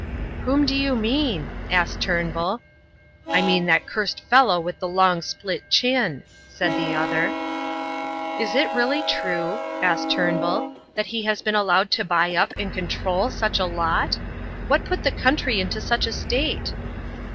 "Whom do you mean?" asked Turnbull. "I mean that cursed fellow with the long split chin," said the other. "Is it really true," asked Turnbull, "that he has been allowed to buy up and control such a lot? What put the country into such a state?"